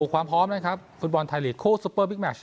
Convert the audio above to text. ความพร้อมนะครับฟุตบอลไทยลีกคู่ซุปเปอร์บิ๊กแมช